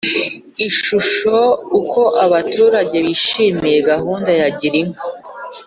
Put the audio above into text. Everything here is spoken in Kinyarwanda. Ishusho Uko abaturage bishimiye gahunda ya Girinka